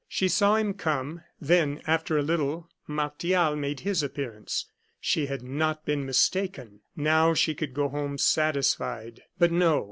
She saw him come; then, after a little, Martial made his appearance. She had not been mistaken now she could go home satisfied. But no.